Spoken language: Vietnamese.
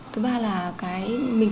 thứ ba là cái